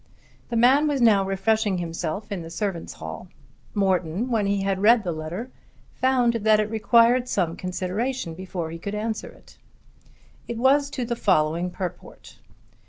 The man was now refreshing himself in the servants' hall. Morton, when he had read the letter, found that it required some consideration before he could answer it. It was to the following purport.